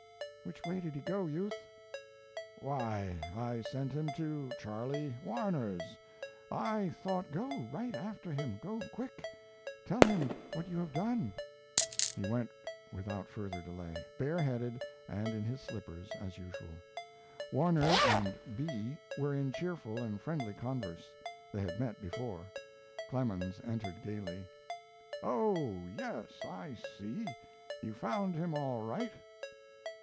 "Which way did he go, Youth?" "Why, I sent him to Charlie Warner's. I thought " "Go right after him. Go quick! Tell him what you have done." He went without further delay, bareheaded and in his slippers, as usual. Warner and B were in cheerful and friendly converse. They had met before. Clemens entered gaily: "Oh Yes, I see! You found him all right.